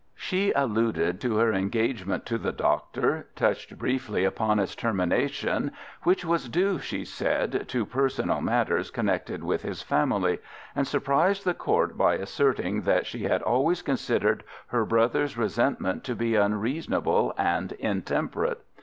She alluded to her engagement to the doctor, touched briefly upon its termination, which was due, she said, to personal matters connected with his family, and surprised the Court by asserting that she had always considered her brother's resentment to be unreasonable and intemperate.